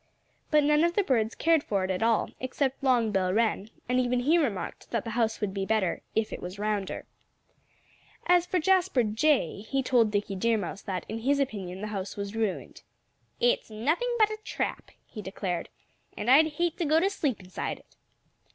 But none of the birds cared for it at all, except Long Bill Wren; and even he remarked that the house would be better "if it was rounder." As for Jasper Jay, he told Dickie Deer Mouse that, in his opinion, the house was ruined. "It's nothing but a trap," he declared. "And I'd hate to go to sleep inside it."